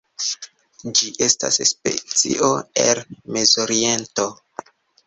Ĝi estas specio el Mezoriento.